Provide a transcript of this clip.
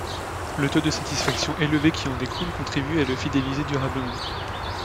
Le taux de satisfaction élevé qui en découle contribue à le fidéliser durablement.